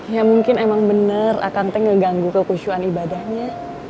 ya mungkin emang bener akang teh ngeganggu kekusuhan ibadahnya